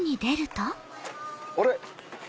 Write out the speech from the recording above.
あれ？